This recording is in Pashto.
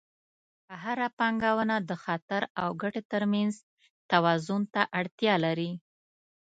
هره پانګونه د خطر او ګټې ترمنځ توازن ته اړتیا لري.